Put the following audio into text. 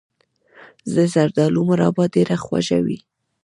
د زردالو مربا ډیره خوږه وي.